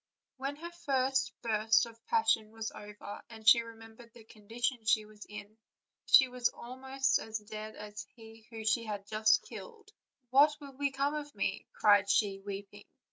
When her first burst of passion was over and she re membered the condition she was in, she was almost as dead as he whom she had just killed. "What will be come of me?" cried she, weeping.